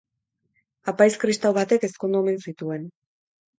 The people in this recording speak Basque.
Apaiz kristau batek ezkondu omen zituen.